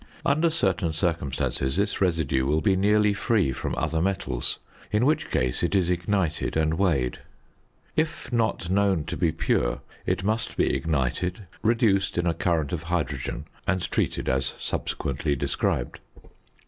Under certain circumstances this residue will be nearly free from other metals, in which case it is ignited and weighed. If not known to be pure it must be ignited, reduced in a current of hydrogen, and treated as subsequently described.